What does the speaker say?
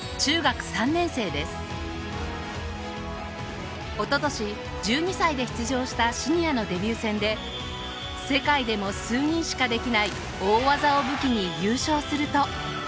おととし１２歳で出場したシニアのデビュー戦で世界でも数人しかできない大技を武器に優勝すると。